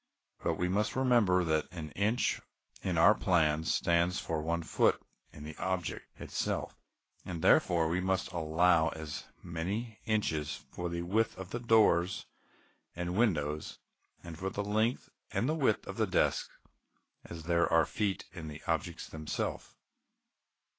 But we must remember that an inch in our plan stands for a foot in the object itself, and therefore we must allow as many inches for the width of doors and windows, and for the length and width of the desks, as there are feet in the objects themselves.